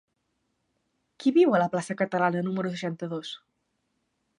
Qui viu a la plaça Catalana número seixanta-dos?